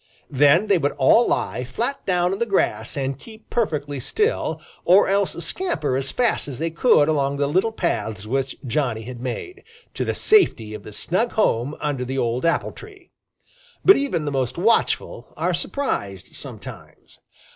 Then they would all lie flat down in the grass and keep perfectly still, or else scamper as fast as they could along the little paths which Johnny had made, to the safety of the snug home under the old apple tree. But even the most watchful are surprised sometimes.